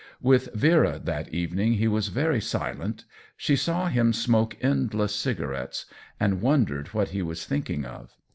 With Vera that evening he was very silent; she saw him smoke endless cigarettes, and wondered i 52 THE WHEEL OF TIME what he was thinking of.